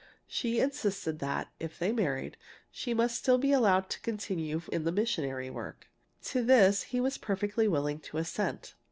She insisted that, if they married, she must still be allowed to continue in the missionary work. To this he was perfectly willing to assent.